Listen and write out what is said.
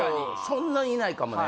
そんなにいないかもね